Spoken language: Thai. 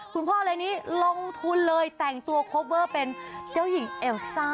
คุณพ่อเลยนี้ลงทุนเลยแต่งตัวโคเวอร์เป็นเจ้าหญิงเอลซ่า